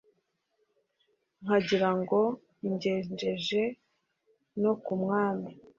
Nkagirango ingejeje no ku Mwami